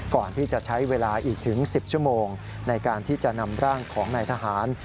ก่อนที่จะใช้เวลาอีกถึง๑๐ชั่วโมงในการที่จะนำร่างของนายทหาร